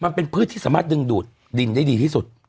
พืชที่สามารถดึงดูดดินได้ดีที่สุด